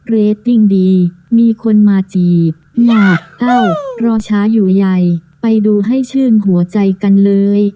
เรตติ้งดีมีคนมาจีบแม่เอ้ารอช้าอยู่ใหญ่ไปดูให้ชื่นหัวใจกันเลย